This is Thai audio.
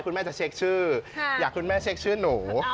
คุณแม่ต้องหักชื่อหนู